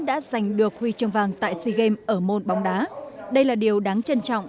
đã giành được huy chương vàng tại sea games ở môn bóng đá đây là điều đáng trân trọng